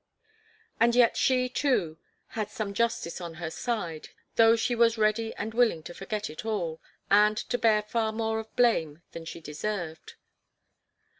And yet she, too, had some justice on her side, though she was ready and willing to forget it all, and to bear far more of blame than she deserved.